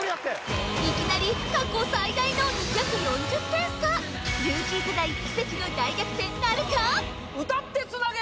いきなり過去最大の２４０点差ルーキー世代奇跡の大逆転なるか歌ってつなげ！